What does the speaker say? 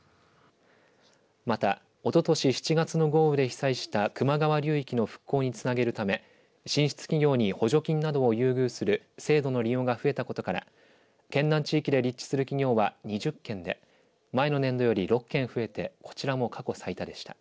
また、おととし７月の豪雨で被災した球磨川流域の復興につなげるため進出企業に補助金などを優遇する制度の利用が増えたことから県南地域で立地する企業は２０件で前の年度より６件増えてこちらも過去最多でした。